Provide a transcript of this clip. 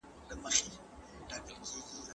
ستا زامن چي د میدان پهلوانان دي